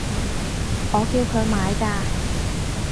我叫佢買㗎